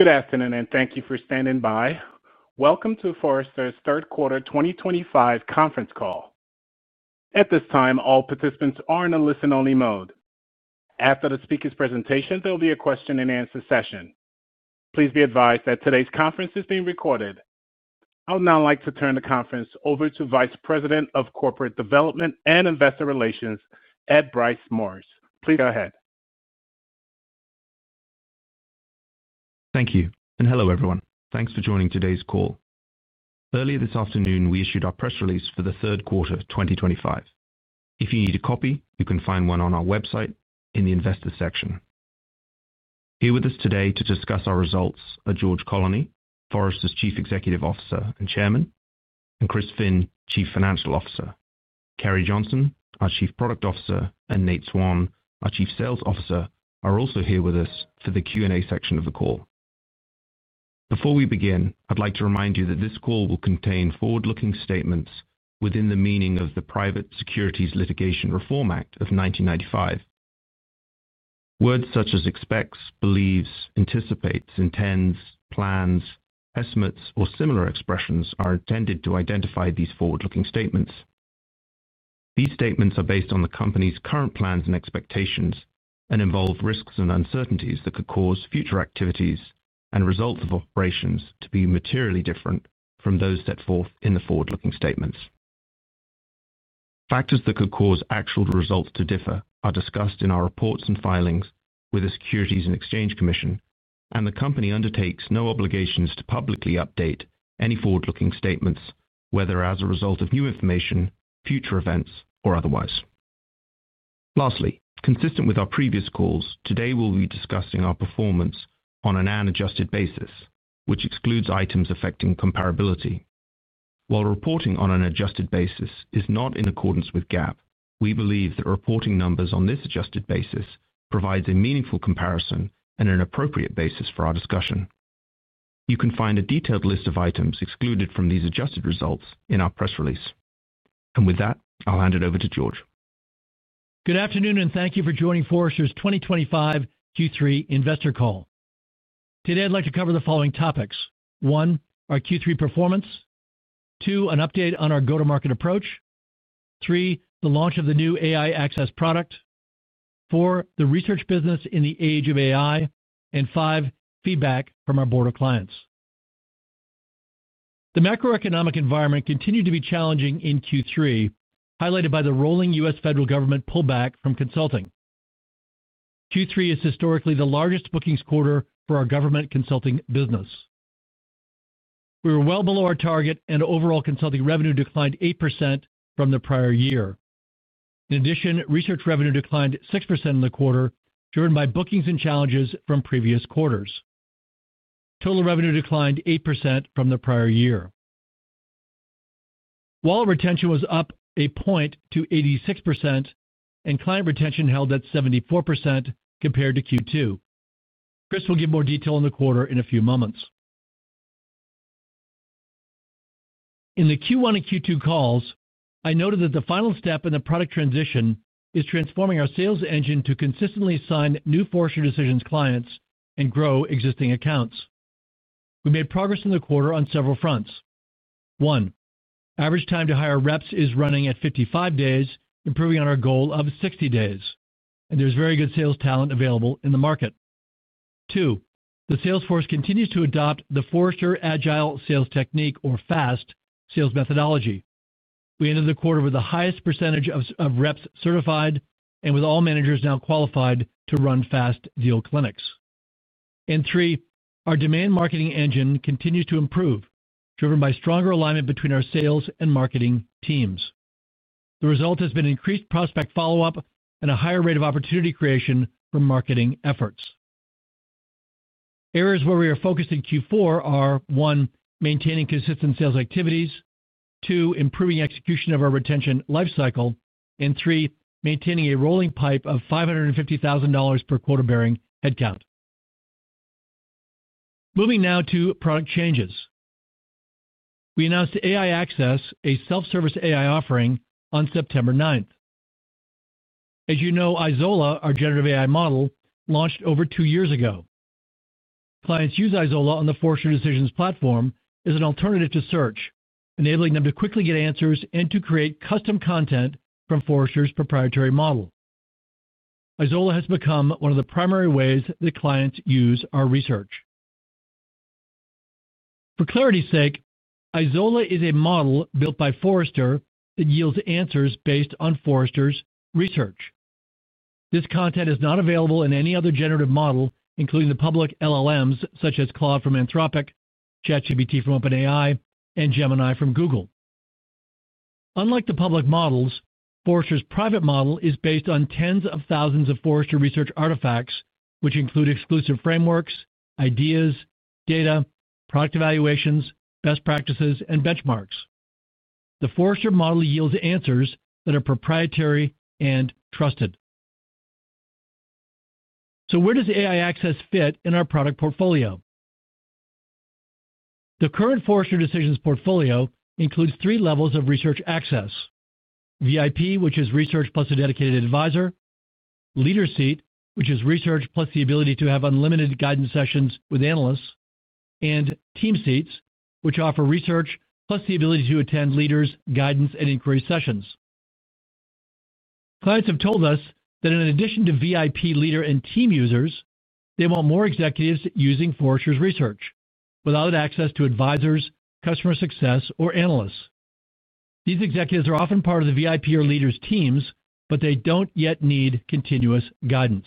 Good afternoon, and thank you for standing by. Welcome to Forrester's Third Quarter 2025 Conference Call. At this time, all participants are in a listen-only mode. After the speakers' presentations, there will be a question-and-answer session. Please be advised that today's conference is being recorded. I would now like to turn the conference over to Vice President of Corporate Development and Investor Relations, Ed Bryce Morris. Please go ahead. Thank you, and hello everyone. Thanks for joining today's call. Earlier this afternoon, we issued our press release for the third quarter 2025. If you need a copy, you can find one on our website in the Investors section. Here with us today to discuss our results are George Colony, Forrester's Chief Executive Officer and Chairman, and Chris Finn, Chief Financial Officer. Carrie Johnson, our Chief Product Officer, and Nate Swan, our Chief Sales Officer, are also here with us for the Q&A section of the call. Before we begin, I'd like to remind you that this call will contain forward-looking statements within the meaning of the Private Securities Litigation Reform Act of 1995. Words such as expects, believes, anticipates, intends, plans, estimates, or similar expressions are intended to identify these forward-looking statements. These statements are based on the company's current plans and expectations and involve risks and uncertainties that could cause future activities and results of operations to be materially different from those set forth in the forward-looking statements. Factors that could cause actual results to differ are discussed in our reports and filings with the Securities and Exchange Commission, and the company undertakes no obligations to publicly update any forward-looking statements, whether as a result of new information, future events, or otherwise. Lastly, consistent with our previous calls, today we'll be discussing our performance on an adjusted basis, which excludes items affecting comparability. While reporting on an adjusted basis is not in accordance with GAAP, we believe that reporting numbers on this adjusted basis provide a meaningful comparison and an appropriate basis for our discussion. You can find a detailed list of items excluded from these adjusted results in our press release. With that, I'll hand it over to George. Good afternoon, and thank you for joining Forrester's 2025 Q3 Investor Call. Today, I'd like to cover the following topics: one, our Q3 performance; two, an update on our Go-To-Market Approach; three, the launch of the new AI Access product; four, the research business in the age of AI; and five, feedback from our Board of Clients. The macroeconomic environment continued to be challenging in Q3, highlighted by the rolling U.S. Federal Government pullback from Vonsulting. Q3 is historically the largest bookings quarter for our Government Consulting business. We were well below our target, and overall consulting revenue declined 8% from the prior year. In addition, research revenue declined 6% in the quarter, driven by bookings and challenges from previous quarters. Total Revenue declined 8% from the prior year. Wallet retention was up a point to 86%, and client retention held at 74% compared to Q2. Chris will give more detail in the quarter in a few moments. In the Q1 and Q2 calls, I noted that the final step in the product transition is transforming our Sales Engine to consistently assign new Forrester Decisions clients and grow existing accounts. We made progress in the quarter on several fronts. One, average time to hire reps is running at 55 days, improving on our goal of 60 days, and there's very good sales talent available in the market. Two, the sales force continues to adopt the Forrester Agile Sales Technique, or FAST, sales methodology. We ended the quarter with the highest percentage of reps certified and with all managers now qualified to run FAST deal clinics. Three, our demand marketing engine continues to improve, driven by stronger alignment between our Sales and Marketing teams. The result has been increased prospect follow-up and a higher rate of opportunity creation for marketing efforts. Areas where we are focused in Q4 are: one, maintaining consistent sales activities; two, improving execution of our retention lifecycle; and three, maintaining a rolling pipe of $550,000 per quarter bearing headcount. Moving now to product changes. We announced AI Access, a self-service AI offering, on September 9th. As you know, Izola, our generative AI model, launched over two years ago. Clients use Izola on the Forrester Decisions platform as an alternative to search, enabling them to quickly get answers and to create custom content from Forrester's proprietary model. Izola has become one of the primary ways that clients use our Research. For clarity's sake, Izola is a model built by Forrester that yields answers based on Forrester's Research. This content is not available in any other generative model, including the public LLMs such as Claude from Anthropic, ChatGPT from OpenAI, and Gemini from Google. Unlike the public models, Forrester's private model is based on tens of thousands of Forrester Research artifacts, which include exclusive frameworks, ideas, data, product evaluations, best practices, and benchmarks. The Forrester model yields answers that are proprietary and trusted. Where does AI Access fit in our Product Portfolio? The current Forrester Decisions Portfolio includes three levels of Research Access: VIP, which is research plus a dedicated advisor; Leaders' Seat, which is research plus the ability to have unlimited guidance sessions with analysts; and Team Seats, which offer research plus the ability to attend leaders' guidance and inquiry sessions. Clients have told us that in addition to VIP, Leader, and Team users, they want more executives using Forrester's research without access to advisors, customer success, or analysts. These executives are often part of the VIP or leaders' teams, but they don't yet need continuous guidance.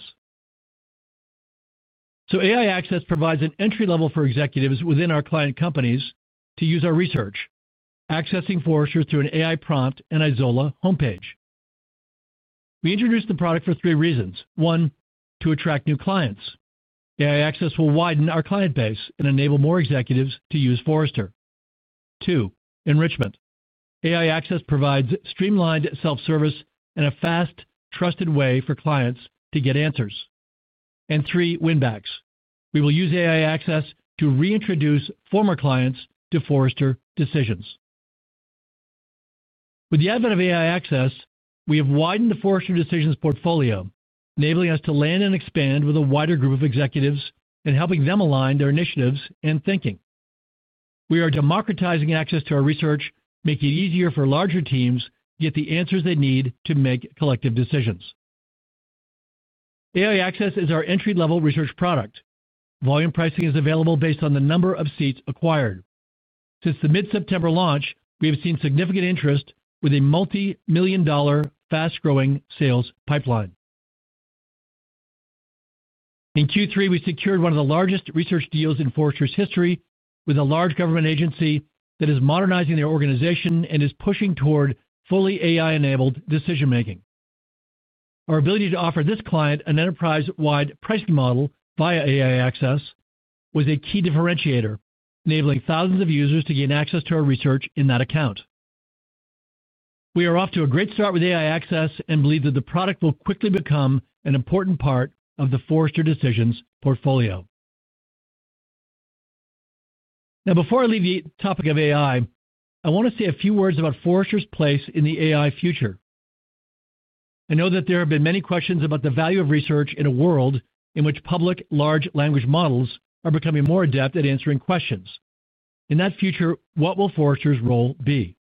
AI Access provides an entry level for executives within our client companies to use our research, accessing Forrester through an AI prompt and Izola homepage. We introduced the product for three reasons. One, to attract new clients. AI Access will widen our client base and enable more executives to use Forrester. Two, enrichment. AI Access provides streamlined self-service and a fast, trusted way for clients to get answers. Three, win-backs. We will use AI Access to reintroduce former clients to Forrester Decisions. With the advent of AI Access, we have widened the Forrester Decisions portfolio, enabling us to land and expand with a wider group of executives and helping them align their initiatives and thinking. We are democratizing access to our Research, making it easier for larger teams to get the answers they need to make collective decisions. AI Access is our entry-level research product. Volume pricing is available based on the number of seats acquired. Since the mid-September launch, we have seen significant interest with a multi-million dollar fast-growing sales pipeline. In Q3, we secured one of the largest research deals in Forrester's history with a large government agency that is modernizing their organization and is pushing toward fully AI-enabled decision-making. Our ability to offer this client an enterprise-wide pricing model via AI Access was a key differentiator, enabling thousands of users to gain access to our research in that account. We are off to a great start with AI Access and believe that the product will quickly become an important part of the Forrester Decisions Portfolio. Now, before I leave the topic of AI, I want to say a few words about Forrester's place in the AI future. I know that there have been many questions about the value of research in a world in which public Large Language Models are becoming more adept at answering questions. In that future, what will Forrester's role be?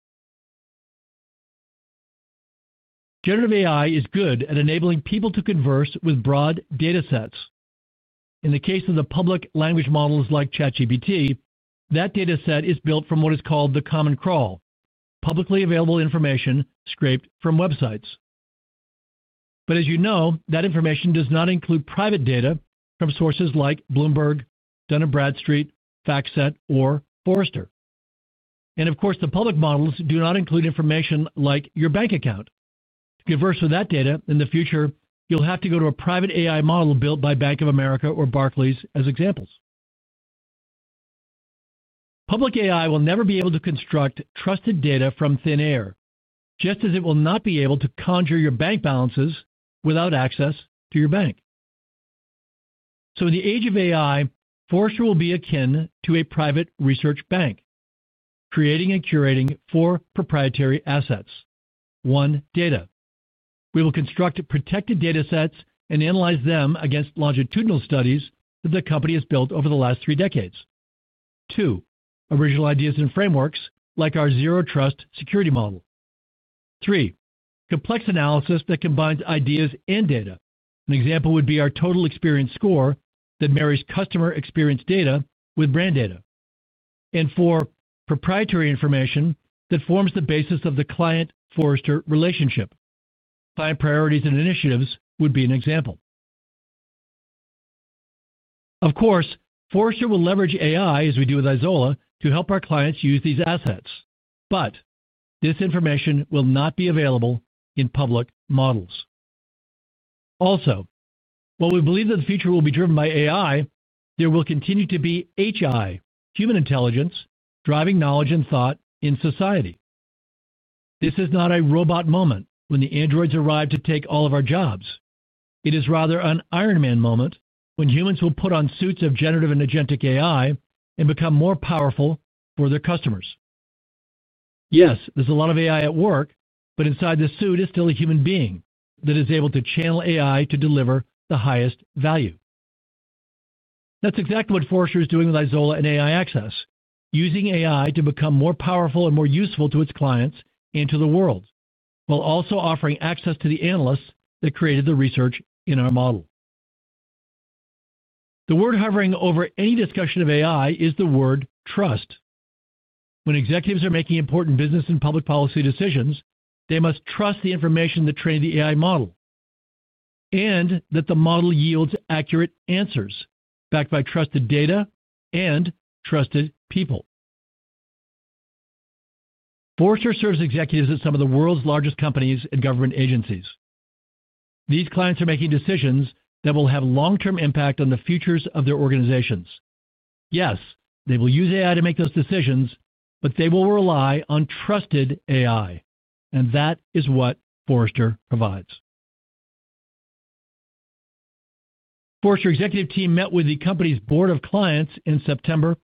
Generative AI is good at enabling people to converse with broad data sets. In the case of the public language models like ChatGPT, that data set is built from what is called the Common Crawl, publicly available information scraped from websites. As you know, that information does not include private data from sources like Bloomberg, Dun & Bradstreet, FactSet, or Forrester. Of course, the public models do not include information like your bank account. To converse with that data in the future, you'll have to go to a private AI model built by Bank of America or Barclays as examples. Public AI will never be able to construct trusted data from thin air, just as it will not be able to conjure your bank balances without access to your bank. In the Age of AI, Forrester will be akin to a Private Research Bank. Creating and curating four proprietary assets: one, data. We will construct protected data sets and analyze them against longitudinal studies that the company has built over the last three decades. Two, original ideas and frameworks like our Zero Trust security model. Three, complex analysis that combines ideas and data. An example would be our Total Experience Score that marries Customer Experience Data with Brand Data. Four, Proprietary Information that forms the basis of the Client-Forrester relationship. Client priorities and initiatives would be an example. Forrester will leverage AI, as we do with Izola, to help our clients use these assets. This information will not be available in public models. Also, while we believe that the future will be driven by AI, there will continue to be HI, human intelligence, driving knowledge and thought in society. This is not a "Robot Moment" when the androids arrive to take all of our jobs. It is rather an "Iron Man Moment" when humans will put on suits of Generative and Agentic AI and become more powerful for their customers. Yes, there's a lot of AI at work, but inside the suit is still a human being that is able to channel AI to deliver the highest value. That's exactly what Forrester Research is doing with Izola and AI Access, using AI to become more powerful and more useful to its clients and to the world, while also offering access to the analysts that created the research in our model. The word hovering over any discussion of AI is the word Trust. When executives are making important business and public policy decisions, they must trust the information that trained the AI model, and that the model yields accurate answers backed by trusted data and trusted people. Forrester Research serves executives at some of the world's largest companies and government agencies. These clients are making decisions that will have long-term impact on the futures of their organizations. Yes, they will use AI to make those decisions, but they will rely on Trusted AI, and that is what Forrester Research provides. Forrester executive team met with the company's Board of Clients in September.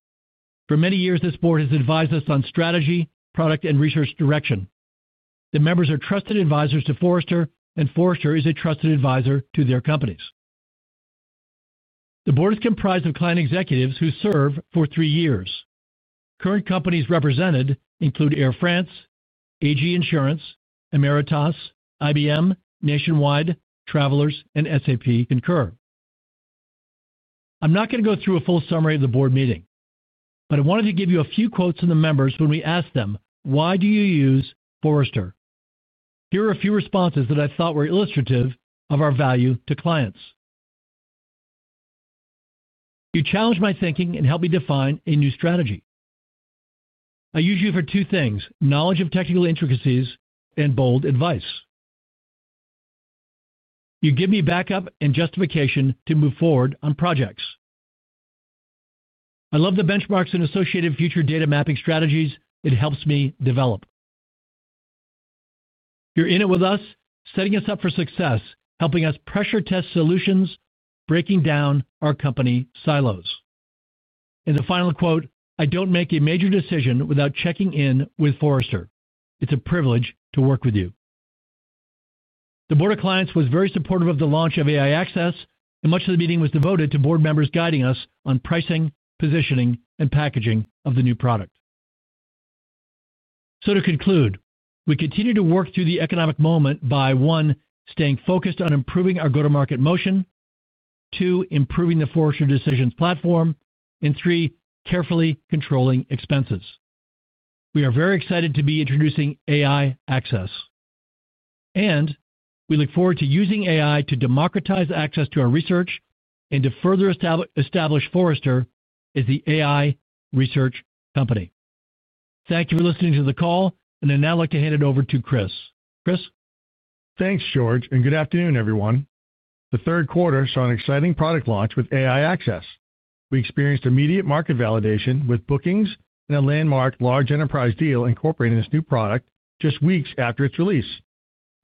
For many years, this board has advised us on strategy, product, and research direction. The members are trusted advisors to Forrester Research, and Forrester Research is a trusted advisor to their companies. The board is comprised of client executives who serve for three years. Current companies represented include Air France, AG Insurance, Ameritas, IBM, Nationwide, Travelers, and SAP Concur. I'm not going to go through a full summary of the board meeting, but I wanted to give you a few quotes from the members when we asked them, "Why do you use Forrester Research?" Here are a few responses that I thought were illustrative of our value to clients. You challenged my thinking and helped me define a new strategy. I use you for two things: knowledge of technical intricacies and bold advice. You give me backup and justification to move forward on projects. I love the benchmarks and associated future data mapping strategies, it helps me develop. You're in it with us, setting us up for success, helping us pressure test solutions, breaking down our company silos. And the final quote, "I don't make a major decision without checking in with Forrester. It's a privilege to work with you." The Board of Clients was very supportive of the launch of AI Access, and much of the meeting was devoted to board members guiding us on pricing, positioning, and packaging of the new product. To conclude, we continue to work through the economic moment by, one, staying focused on improving our Go-To-Market motion, two, improving the Forrester Decisions platform, and three, carefully controlling expenses. We are very excited to be introducing AI Access. We look forward to using AI to democratize access to our research and to further establish Forrester as the AI research company. Thank you for listening to the call, and I'd now like to hand it over to Chris. Chris? Thanks, George, and good afternoon, everyone. The third quarter saw an exciting product launch with AI Access. We experienced immediate market validation with bookings and a landmark large enterprise deal incorporating this new product just weeks after its release.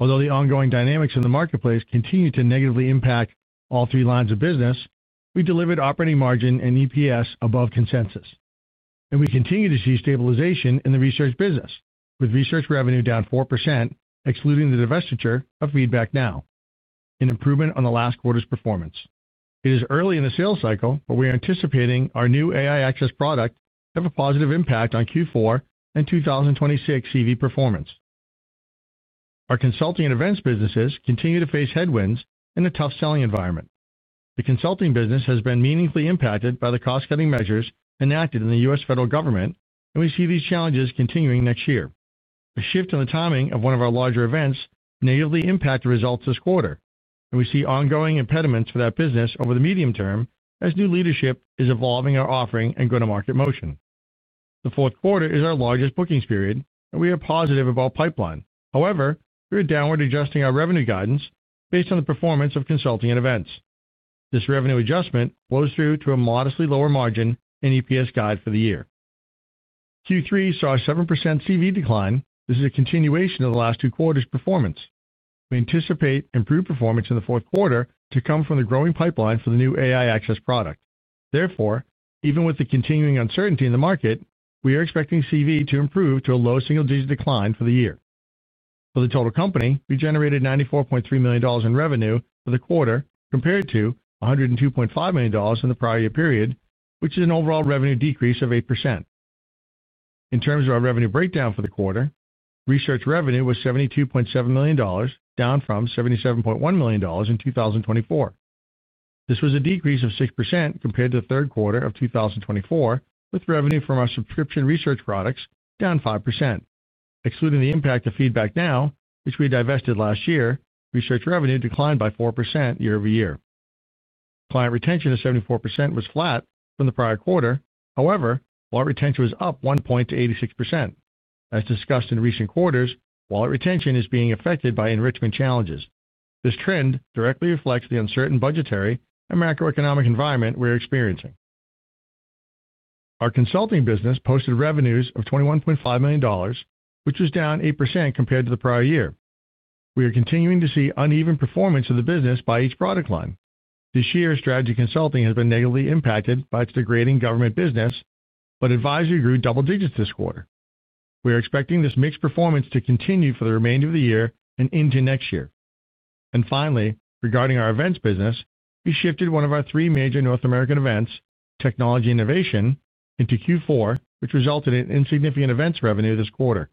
Although the ongoing dynamics in the marketplace continue to negatively impact all three lines of business, we delivered Operating Margin and EPS above consensus. We continue to see stabilization in the Research business, with research revenue down 4%, excluding the divestiture of Feedback Now, and improvement on the last quarter's performance. It is early in the sales cycle, but we are anticipating our new AI Access product to have a positive impact on Q4 and 2026 CV performance. Our consulting and events businesses continue to face headwinds in a tough selling environment. The Consulting business has been meaningfully impacted by the cost-cutting measures enacted in the U.S. Federal Government, and we see these challenges continuing next year. A shift in the timing of one of our larger events may negatively impact the results this quarter, and we see ongoing impediments for that business over the medium term as new leadership is evolving our offering and Go-To-Market motion. The fourth quarter is our largest bookings period, and we are positive about pipeline. However, we are downward-adjusting our revenue guidance based on the performance of Consulting and Events. This revenue adjustment flows through to a modestly lower margin and EPS guide for the year. Q3 saw a 7% CV decline, which is a continuation of the last two quarters' performance. We anticipate improved performance in the fourth quarter to come from the growing pipeline for the new AI Access product. Therefore, even with the continuing uncertainty in the market, we are expecting CV to improve to a low single-digit decline for the year. For the total company, we generated $94.3 million in revenue for the quarter compared to $102.5 million in the prior year period, which is an overall revenue decrease of 8%. In terms of our revenue breakdown for the quarter, Research Revenue was $72.7 million, down from $77.1 million in 2024. This was a decrease of 6% compared to the third quarter of 2024, with revenue from our subscription research products down 5%. Excluding the impact of FeedbackNow, which we divested last year, research revenue declined by 4% year-over-year. Client retention of 74% was flat from the prior quarter, however, Wallet retention was up one point to 86%. As discussed in recent quarters, wallet retention is being affected by enrichment challenges. This trend directly reflects the uncertain budgetary and macroeconomic environment we're experiencing. Our Consulting business posted revenues of $21.5 million, which was down 8% compared to the prior year. We are continuing to see uneven performance of the business by each product line. This year, strategy consulting has been negatively impacted by its degrading government business, but advisory grew double digits this quarter. We are expecting this mixed performance to continue for the remainder of the year and into next year. Finally, regarding our events business, we shifted one of our three major North American Events, Technology Innovation, into Q4, which resulted in insignificant Events Revenue this quarter.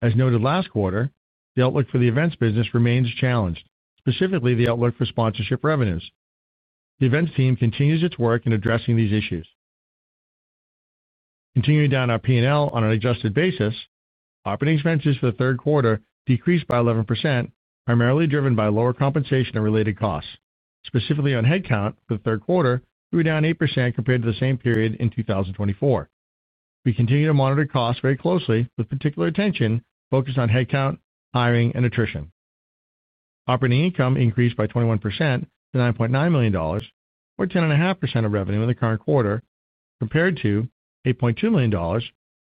As noted last quarter, the outlook for the Events business remains challenged, specifically the outlook for Sponsorship Revenues. The events team continues its work in addressing these issues. Continuing down our P&L on an adjusted basis, Operating Expenses for the third quarter decreased by 11%, primarily driven by lower compensation and related costs. Specifically on headcount for the third quarter, we were down 8% compared to the same period in 2024. We continue to monitor costs very closely, with particular attention focused on headcount, hiring, and attrition. Operating Income increased by 21% to $9.9 million, or 10.5% of revenue in the current quarter, compared to $8.2 million, or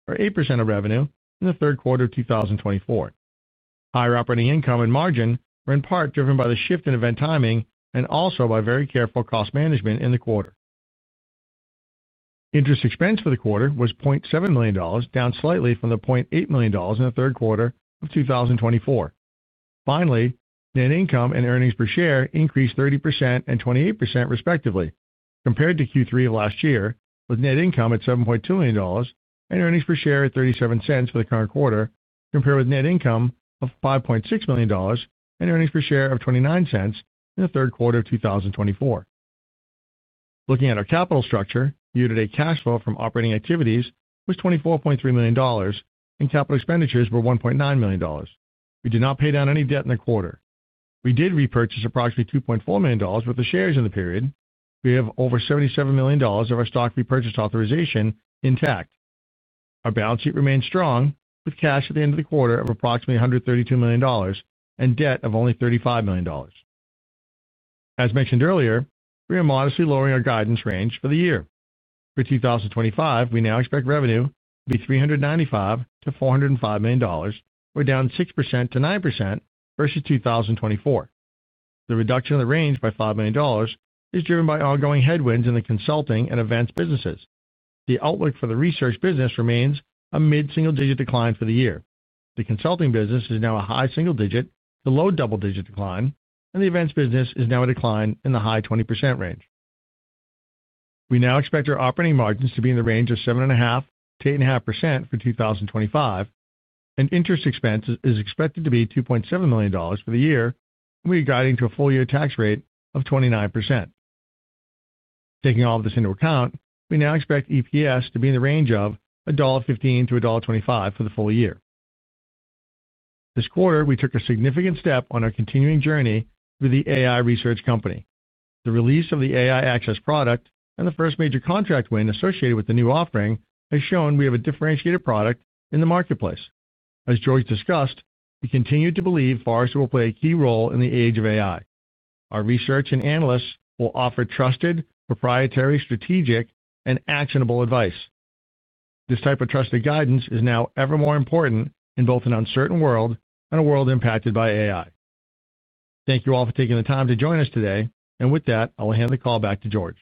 8% of revenue in the third quarter of 2024. Higher operating income and margin were in part driven by the shift in event timing and also by very careful cost management in the quarter. Interest expense for the quarter was $0.7 million, down slightly from the $0.8 million in the third quarter of 2024. Finally, Net Income and EPS increased 30% and 28% respectively, compared to Q3 of last year, with Net Income at $7.2 million and EPS at $0.37 for the current quarter, compared with Net Income of $5.6 million and EPS of $0.29 in the third quarter of 2024. Looking at our Capital Structure, year-to-date cash flow from operating activities was $24.3 million, and capital expenditures were $1.9 million. We did not pay down any debt in the quarter. We did repurchase approximately $2.4 million worth of shares in the period. We have over $77 million of our stock repurchase authorization intact. Our Balance Sheet remained strong, with cash at the end of the quarter of approximately $132 million and debt of only $35 million. As mentioned earlier, we are modestly lowering our guidance range for the year. For 2025, we now expect revenue to be $395 to $405 million, or down 6% to 9% versus 2024. The reduction of the range by $5 million is driven by ongoing headwinds in the Consulting and Events businesses. The outlook for the research business remains a mid-single-digit decline for the year. The consulting business is now a high single-digit to low double-digit decline, and the Events business is now a decline in the high 20% range. We now expect our Operating Margins to be in the range of 7.5% to 8.5% for 2025, and interest expense is expected to be $2.7 million for the year, and we are guiding to a full-year tax rate of 29%. Taking all of this into account, we now expect EPS to be in the range of $1.15 to $1.25 for the full year. This quarter, we took a significant step on our continuing journey with the AI Research Company. The release of the AI Access product and the first major contract win associated with the new offering has shown we have a differentiated product in the marketplace. As George discussed, we continue to believe Forrester Research will play a key role in the age of AI. Our research and analysts will offer trusted, proprietary, strategic, and actionable advice. This type of trusted guidance is now ever more important in both an uncertain world and a world impacted by AI. Thank you all for taking the time to join us today, and with that, I will hand the call back to George.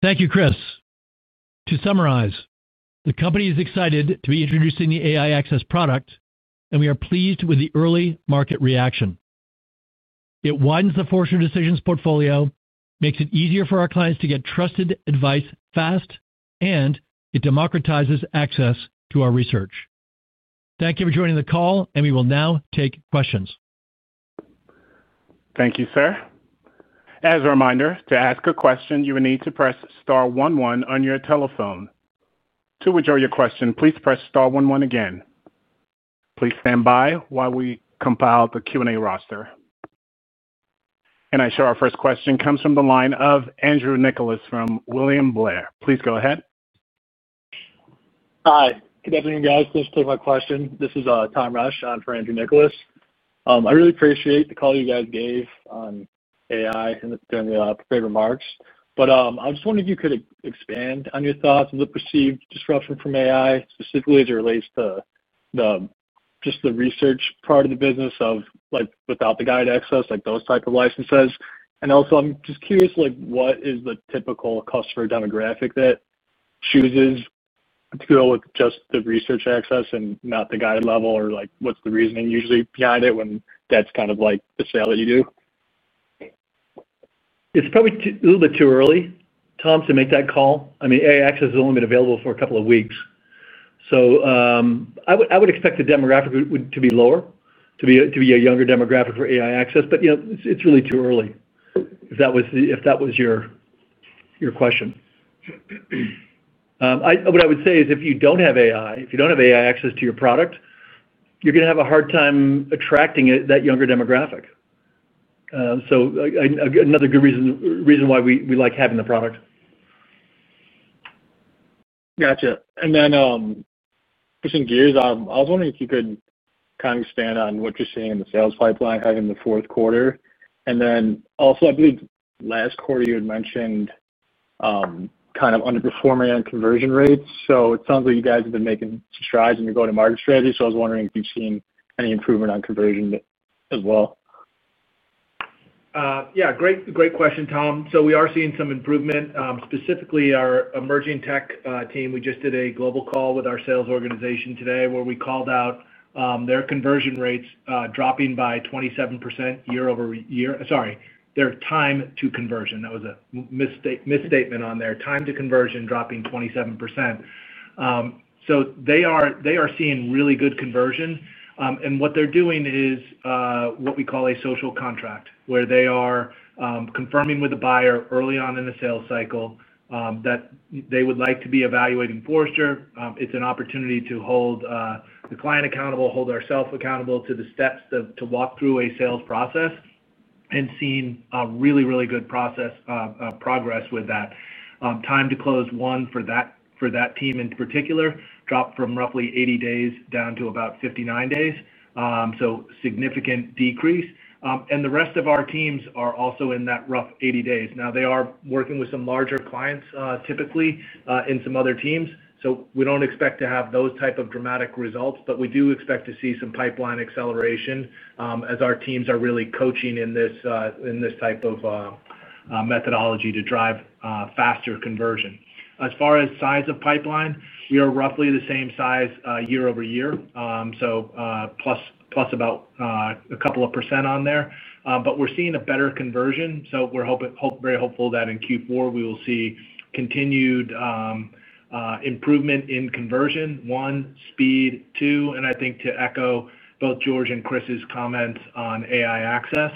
Thank you, Chris. To summarize, the company is excited to be introducing the AI Access product, and we are pleased with the early market reaction. It widens the Forrester Decisions portfolio, makes it easier for our clients to get trusted advice fast, and it democratizes access to our Research. Thank you for joining the call, and we will now take questions. Thank you, sir. As a reminder, to ask a question, you will need to press star one one on your telephone. To withdraw your question, please press star one one again. Please stand by while we compile the Q&A roster. I show our first question comes from the line of Andrew Nicholas from William Blair. Please go ahead. Hi. Good afternoon, guys. Thanks for taking my question. This is Tom Ross on for Andrew Nicholas. I really appreciate the call you guys gave on AI and the great remarks. I was just wondering if you could expand on your thoughts on the perceived disruption from AI, specifically as it relates to just the Research part of the business. Without the guide access, those types of licenses. I'm just curious, what is the typical customer demographic that chooses to go with just the Research Access and not the guide level, or what's the reasoning usually behind it when that's kind of the sale that you do? It's probably a little bit too early, Tom, to make that call. AI Access is only available for a couple of weeks. I would expect the demographic to be lower, to be a younger demographic for AI Access, but it's really too early if that was your question. What I would say is if you don't have AI, if you don't have AI access to your product, you're going to have a hard time attracting that younger demographic. Another good reason why we like having the product. Gotcha. Pushing gears, I was wondering if you could kind of expand on what you're seeing in the sales pipeline having the fourth quarter. I believe last quarter, you had mentioned kind of underperforming on conversion rates. It sounds like you guys have been making some strides in your Go-To-Market strategy. I was wondering if you've seen any improvement on conversion as well. Yeah. Great question, Tom. We are seeing some improvement. Specifically, our emerging tech team, we just did a global call with our sales organization today where we called out their conversion rates dropping by 27% year-over-year. Sorry, their Time to Conversion. That was a misstatement on their Time to Conversion dropping 27%. They are seeing really good conversion. What they're doing is what we call a social contract, where they are confirming with the buyer early on in the sales cycle that they would like to be evaluating Forrester. It's an opportunity to hold the client accountable, hold ourselves accountable to the steps to walk through a sales process. We're seeing really, really good progress with that. Time to close one for that team in particular dropped from roughly 80 days down to about 59 days, a significant decrease. The rest of our teams are also in that rough 80 days. They are working with some larger clients typically in some other teams. We don't expect to have those types of dramatic results, but we do expect to see some pipeline acceleration as our teams are really coaching in this type of methodology to drive faster conversion. As far as size of pipeline, we are roughly the same size year-over-year, so plus about a couple of percent on there. We're seeing a better conversion. We're very hopeful that in Q4, we will see continued improvement in conversion, one, speed, two, and I think to echo both George and Chris's comments on AI Access.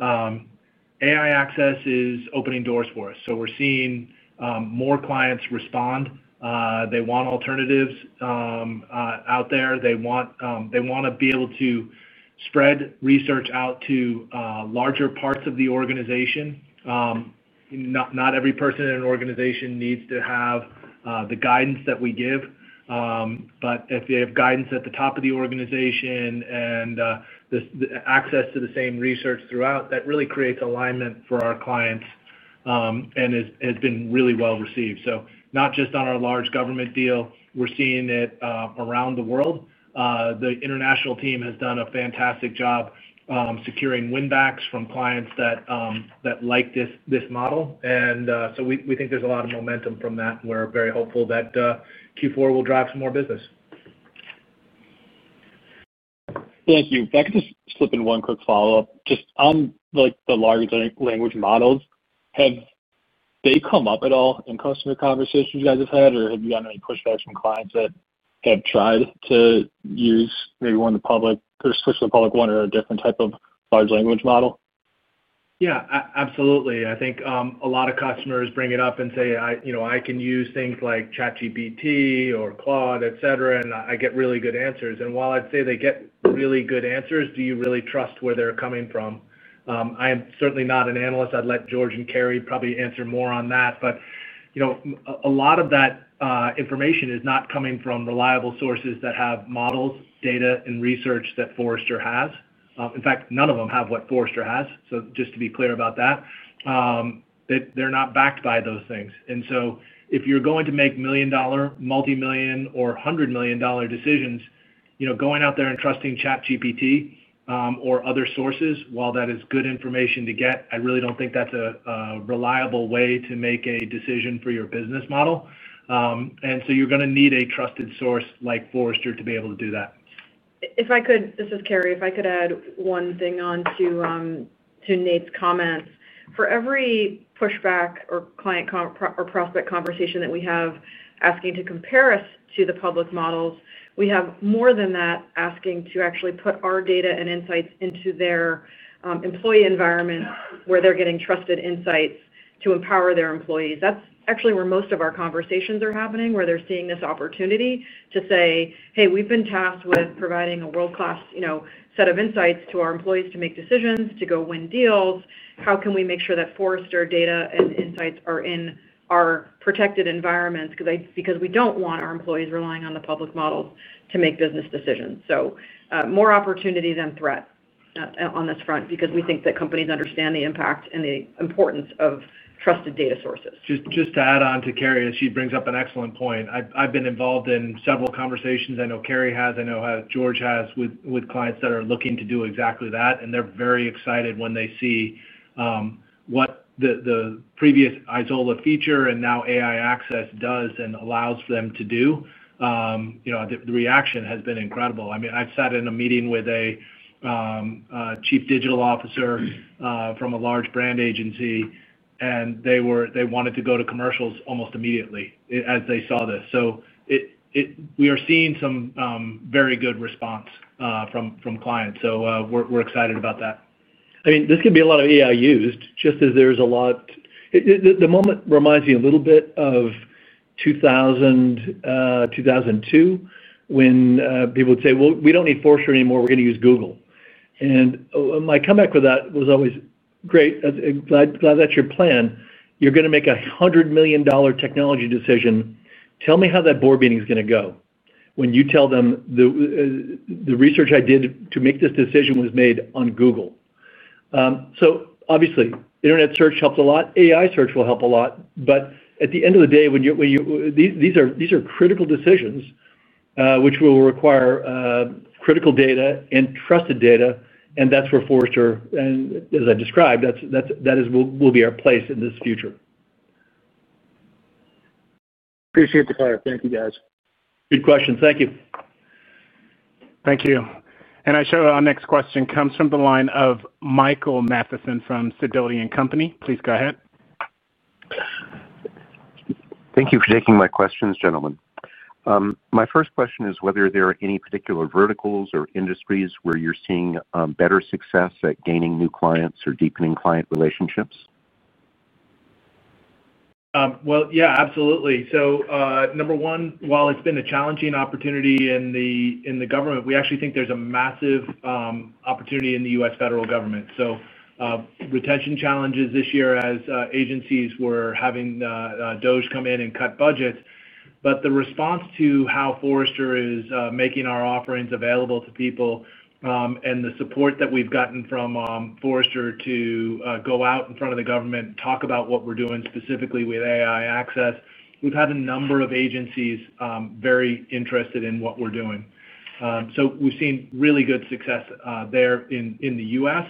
AI Access is opening doors for us. We're seeing more clients respond. They want alternatives out there. They want to be able to spread research out to larger parts of the organization. Not every person in an organization needs to have the guidance that we give. If they have guidance at the top of the organization and access to the same research throughout, that really creates alignment for our clients and has been really well received. Not just on our large government deal, we're seeing it around the world. The international team has done a fantastic job securing win-backs from clients that like this model. We think there's a lot of momentum from that, and we're very hopeful that Q4 will drive some more business. Thank you. If I could just slip in one quick follow-up, just on the Large Language Models, have they come up at all in customer conversations you guys have had, or have you had any pushback from clients that have tried to use maybe one of the public or switch to the public one or a different type of Large Language Model? Yeah, absolutely. I think a lot of customers bring it up and say, "I can use things like ChatGPT or Claude, etc., and I get really good answers." While I'd say they get really good answers, do you really trust where they're coming from? I am certainly not an analyst. I'd let George and Carrie probably answer more on that. A lot of that information is not coming from reliable sources that have models, data, and research that Forrester has. In fact, none of them have what Forrester has. Just to be clear about that. They're not backed by those things. If you're going to make million-dollar, multi-million, or hundred-million-dollar decisions, going out there and trusting ChatGPT or other sources, while that is good information to get, I really don't think that's a reliable way to make a decision for your business model. You're going to need a trusted source like Forrester to be able to do that. If I could, this is Carrie, if I could add one thing onto Nate's comments. For every pushback or client or prospect conversation that we have asking to compare us to the public models, we have more than that asking to actually put our data and insights into their employee environment where they're getting trusted insights to empower their employees. That's actually where most of our conversations are happening, where they're seeing this opportunity to say, "Hey, we've been tasked with providing a world-class set of insights to our employees to make decisions, to go win deals. How can we make sure that Forrester data and insights are in our protected environments?" We don't want our employees relying on the public models to make business decisions. More opportunity than threat on this front because we think that companies understand the impact and the importance of trusted data sources. Just to add on to Carrie, as she brings up an excellent point, I've been involved in several conversations. I know Carrie has. I know how George has with clients that are looking to do exactly that. They're very excited when they see what the previous Izola feature and now AI Access does and allows for them to do. The reaction has been incredible. I mean, I've sat in a meeting with a Chief Digital Officer from a large brand agency, and they wanted to go to commercials almost immediately as they saw this. We are seeing some very good response from clients, so we're excited about that. I mean, this could be a lot of AI used, just as there's a lot. The moment reminds me a little bit of 2000, 2002, when people would say, "Well, we don't need Forrester anymore. We're going to use Google." My comeback with that was always, "Great. Glad that's your plan. You're going to make a $100 million technology decision. Tell me how that Board Meeting is going to go when you tell them. The research I did to make this decision was made on Google." Obviously, Internet Search helped a lot. AI Search will help a lot. At the end of the day, these are critical decisions which will require critical data and trusted data. That's where Forrester, as I described, will be our place in this future. Appreciate the color. Thank you, guys. Good question. Thank you. Thank you. I show our next question comes from the line of Michael Mathison from Sidoti & Company. Please go ahead. Thank you for taking my questions, gentlemen. My first question is whether there are any particular verticals or industries where you're seeing better success at gaining new clients or deepening client relationships. Absolutely. Number one, while it's been a challenging opportunity in the government, we actually think there's a massive opportunity in the U.S. Federal Government. Retention challenges this year as agencies were having DOGE come in and cut budgets. The response to how Forrester is making our offerings available to people and the support that we've gotten from Forrester to go out in front of the Government, talk about what we're doing specifically with AI Access, we've had a number of agencies very interested in what we're doing. We've seen really good success there in the U.S.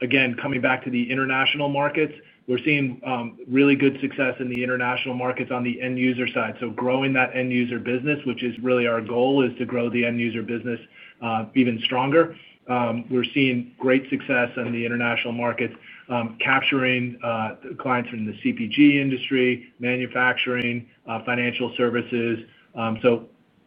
Again, coming back to the International Markets, we're seeing really good success in the International Markets on the end user side. Growing that End User Business, which is really our goal, is to grow the End User bBsiness even stronger. We're seeing great success in the international markets, capturing clients from the CPG industry, Manufacturing, Financial Services.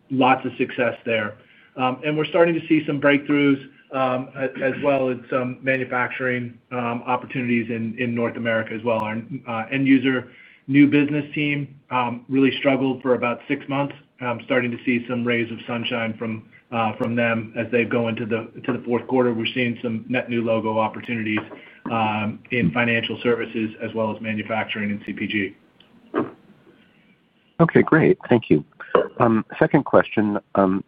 Lots of success there, and we're starting to see some breakthroughs. As well as some manufacturing opportunities in North America as well. Our End User New Business team really struggled for about six months, starting to see some rays of sunshine from them as they go into the fourth quarter. We're seeing some net new logo opportunities in Financial Services as well as Manufacturing and CPG. Thank you. Second question.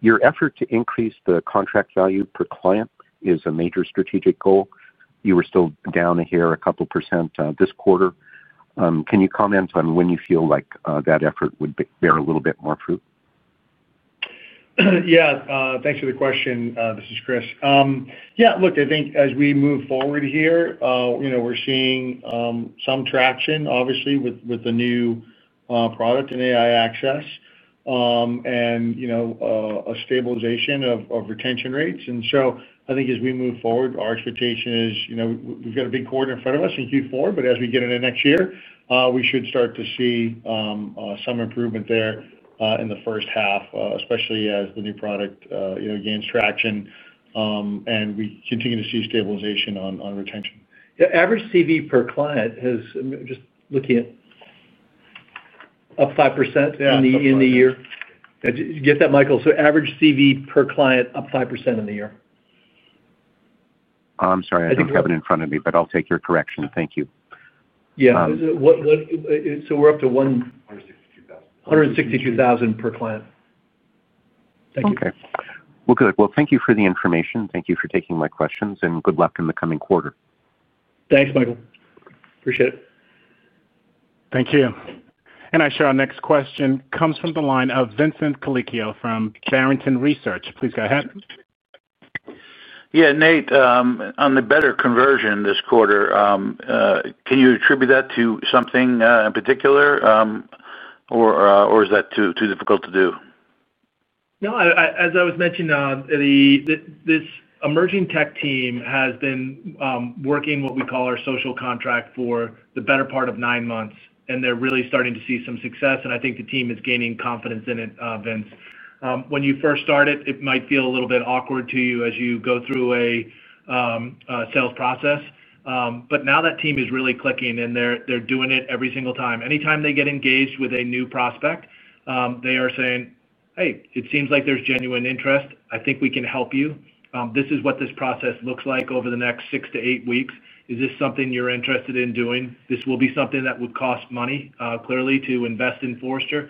Your effort to increase the Contract Value per client is a major strategic goal. You were still down here a couple % this quarter. Can you comment on when you feel like that effort would bear a little bit more fruit? Yeah. Thanks for the question. This is Chris. Yeah. Look, I think as we move forward here, we're seeing some traction, obviously, with the new product and AI Access and a stabilization of retention rates. I think as we move forward, our expectation is we've got a big quarter in front of us in Q4, but as we get into next year, we should start to see some improvement there in the First Half, especially as the new product gains traction and we continue to see stabilization on retention. Yeah. Average CV per client has just looking at up 5% in the year. Yeah. I get that, Michael. So Average CV per client up 5% in the year. I'm sorry. I think I have it in front of me, but I'll take your correction. Thank you. Yeah. So we're up to $162,000 per client. Thank you. Thank you for the information. Thank you for taking my questions. Good luck in the coming quarter. Thanks, Michael. Appreciate it. Thank you. I show our next question comes from the line of Vincent Colicchio from Barrington Research. Please go ahead. Yeah. Nate, on the better conversion this quarter. Can you attribute that to something in particular or is that too difficult to do? No, as I was mentioning, this emerging tech team has been working what we call our Social Contract for the better part of nine months. They're really starting to see some success. I think the team is gaining confidence in it, Vince. When you first start it, it might feel a little bit awkward to you as you go through a sales process. Now that team is really clicking, and they're doing it every single time. Anytime they get engaged with a new prospect, they are saying, "Hey, it seems like there's genuine interest. I think we can help you. This is what this process looks like over the next six to eight weeks. Is this something you're interested in doing?" This will be something that would cost money, clearly, to invest in Forrester.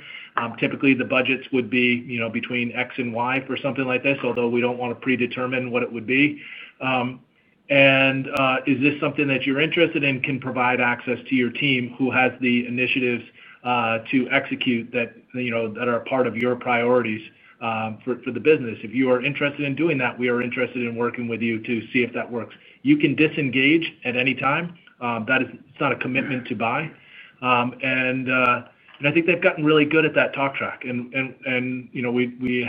Typically, the budgets would be between X and Y for something like this, although we don't want to predetermine what it would be. Is this something that you're interested in, can provide access to your team who has the initiatives to execute that, are a part of your priorities for the business? If you are interested in doing that, we are interested in working with you to see if that works. You can disengage at any time. It's not a commitment to buy. I think they've gotten really good at that talk track. We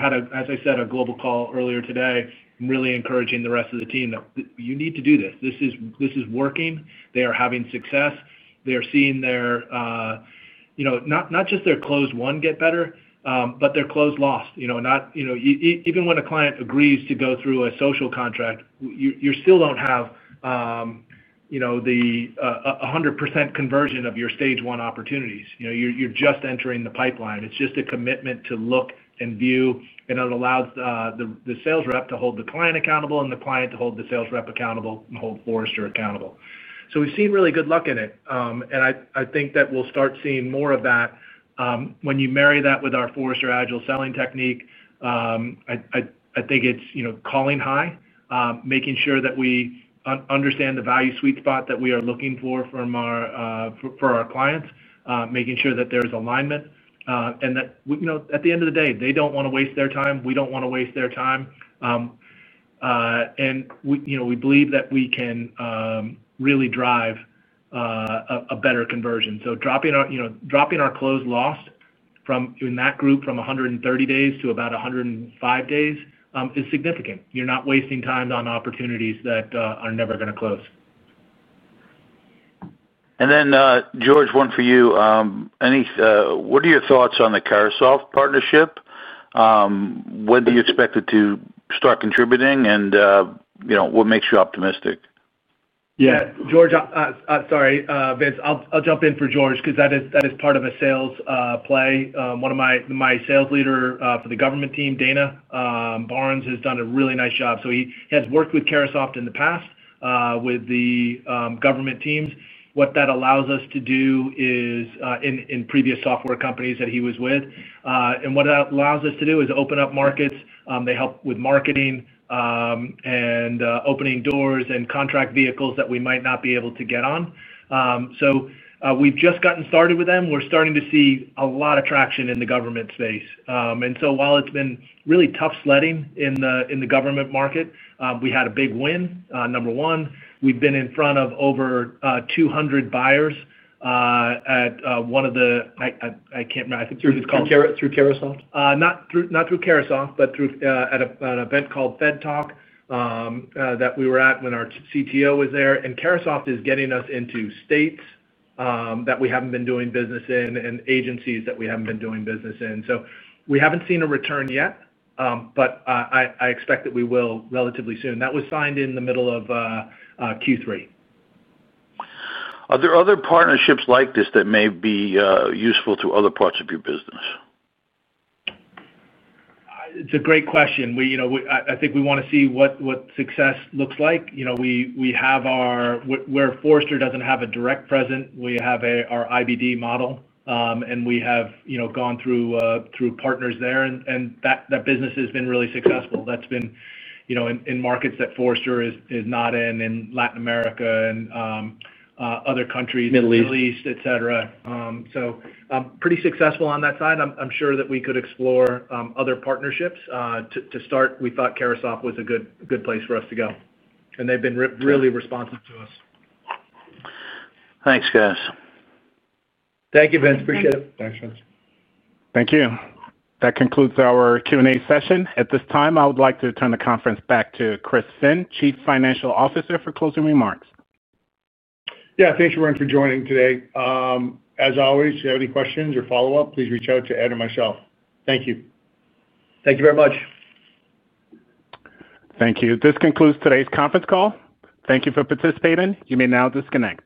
had, as I said, a global call earlier today, really encouraging the rest of the team that you need to do this. This is working. They are having success. They are seeing not just their Closed Won get better, but their Closed Lost. Even when a client agrees to go through a Social Contract, you still don't have the 100% conversion of your Stage One opportunities. You're just entering the pipeline. It's just a commitment to look and view, and it allows the Sales Rep to hold the Client accountable and the Client to hold the Sales Rep accountable and hold Forrester accountable. We've seen really good luck in it. I think that we'll start seeing more of that. When you marry that with our Forrester Agile Sales Technique, I think it's calling high, making sure that we understand the value sweet spot that we are looking for for our clients, making sure that there's alignment, and that at the end of the day, they don't want to waste their time. We don't want to waste their time. We believe that we can really drive a better conversion. Dropping our Closed Lost in that group from 130 days to about 105 days is significant. You're not wasting time on opportunities that are never going to close. George, one for you. What are your thoughts on the Carousel partnership? When do you expect it to start contributing, and what makes you optimistic? Yeah. George. Sorry, Vince. I'll jump in for George because that is part of a sales play. One of my sales leaders for the government team, Dana Barnes, has done a really nice job. He has worked with Carousel in the past with the Government Teams. What that allows us to do is, in previous software companies that he was with, open up markets. They help with Marketing and opening doors and contract vehicles that we might not be able to get on. We've just gotten started with them. We're starting to see a lot of traction in the Government space. While it's been really tough sledding in the Government market, we had a big win. Number one, we've been in front of over 200 buyers at one of the—I can't remember. I think it's called—through Carousel? Not through Carousel, but at an event called FedTalk that we were at when our CTO was there. Carousel is getting us into states that we haven't been doing business in and Agencies that we haven't been doing business in. We haven't seen a return yet, but I expect that we will relatively soon. That was signed in the middle of Q3. Are there other partnerships like this that may be useful to other parts of your business? It's a great question. I think we want to see what success looks like. Where Forrester Research doesn't have a direct presence, we have our IBD model, and we have gone through partners there. That business has been really successful. That's been in markets that Forrester Research is not in, in Latin America and other countries, Middle East, etc. Pretty successful on that side. I'm sure that we could explore other partnerships. To start, we thought Carousel was a good place for us to go, and they've been really responsive to us. Thanks, guys. Thank you, Vince. Appreciate it. Thanks, Vince. Thank you. That concludes our Q&A session. At this time, I would like to turn the conference back to Chris Finn, Chief Financial Officer, for closing remarks. Yeah. Thanks, Ron, for joining today. As always, if you have any questions or follow-up, please reach out to Ed or myself. Thank you. Thank you very much. Thank you. This concludes today's conference call. Thank you for participating. You may now disconnect.